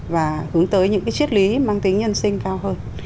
và hướng tới những cái triết lý mang tính nhân sinh cao hơn